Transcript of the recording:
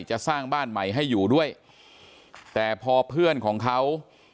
จะสร้างบ้านใหม่ให้อยู่ด้วยแต่พอเพื่อนของเขา